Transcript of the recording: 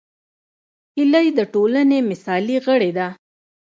هیلۍ د ټولنې مثالي غړې ده